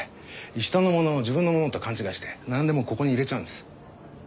人のものを自分のものと勘違いしてなんでもここに入れちゃうんです。